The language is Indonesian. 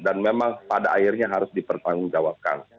dan memang pada akhirnya harus dipertanggungjawabkan